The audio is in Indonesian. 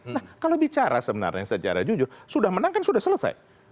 nah kalau bicara sebenarnya secara jujur sudah menang kan sudah selesai